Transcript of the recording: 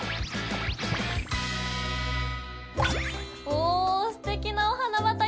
おおすてきなお花畑！